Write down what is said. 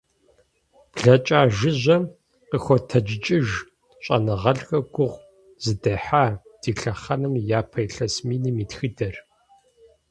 Блэкӏа жыжьэм къыхотэджыкӏыж щӏэныгъэлӏхэр гугъу зыдехьа, ди лъэхъэнэм и япэ илъэс миным и тхыдэр.